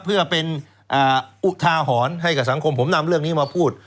เพื่อเป็นอุทาหรณ์ให้กับสังคมผมนำเรื่องนี้มาพูด